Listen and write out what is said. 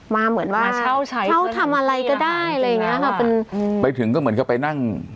เหมือนมาเช่าใช้เช่าทำอะไรก็ได้อะไรอย่างเงี้ยค่ะเป็นไปถึงก็เหมือนกับไปนั่ง